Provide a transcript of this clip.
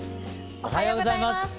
おはようございます。